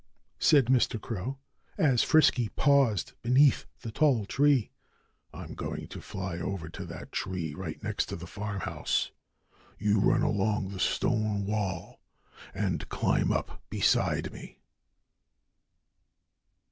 said Mr. Crow, as Frisky paused beneath the tall tree. "I'm going to fly over to that tree right next the farmhouse. You run along the stone wall and climb up beside me."